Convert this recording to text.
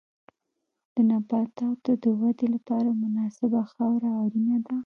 د نباتاتو د ودې لپاره مناسبه خاوره اړینه ده.